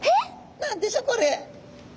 何でしょこれ？